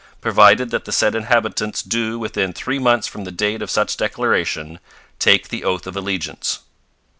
provided that the said inhabitants do within three months from the date of such declaration ... take the Oath of Allegiance.'